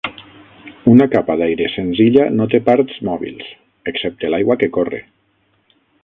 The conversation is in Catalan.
Una capa d'aire senzilla no té parts mòbils, excepte l'aigua que corre.